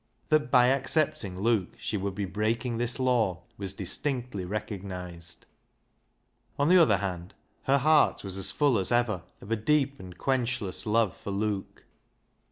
That by accepting Luke she would be breaking this law, was distinctly recognised. On the other hand, her heart was as full as ever of a deep and quenchless love for Luke.